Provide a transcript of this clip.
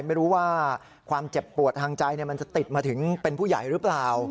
ไม่รู้ว่าความเจ็บปวดทางใจมันจะติดมาถึงเป็นผู้ใหญ่หรือเปล่า